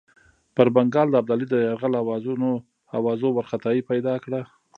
پر بنګال د ابدالي د یرغل آوازو وارخطایي پیدا کړه.